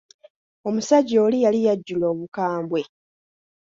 Omusajja oli yali yajjula obukambwe.